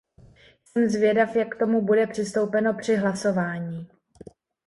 Jsem zvědav, jak k tomu bude přistoupeno při hlasování.